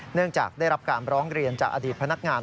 เนื่องจากได้รับการร้องเรียนจากอดีตพนักงาน